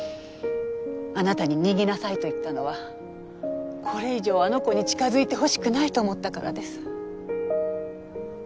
あなたに「逃げなさい」と言ったのはこれ以上あの子に近づいてほしくないと思ったからです。